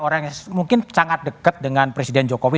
orang yang mungkin sangat dekat dengan presiden jokowi